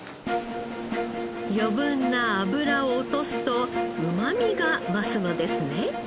余分な脂を落とすとうまみが増すのですね。